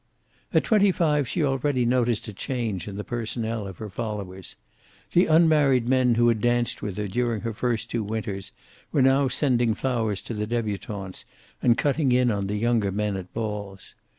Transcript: At twenty five she already noticed a change in the personnel of her followers. The unmarried men who had danced with her during her first two winters were now sending flowers to the debutantes, and cutting in on the younger men at balls.